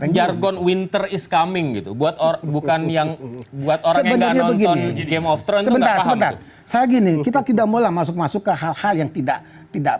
trons sebentar sebentar saya gini kita tidak mau langsung masuk ke hal hal yang tidak tidak